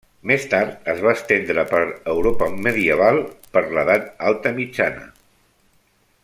Més tard es va estendre per Europa medieval per l'Edat Alta Mitjana.